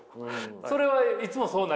それはいつもそうなります？